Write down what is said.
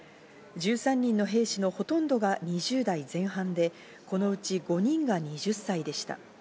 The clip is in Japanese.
１３人の兵士のほとんどが２０代前半でこのうち５人が２０歳でした。